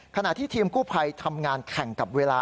ขณะที่ทีมกู้ภัยทำงานแข่งกับเวลา